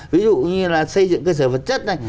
ví dụ như là xây dựng cơ sở vật chất này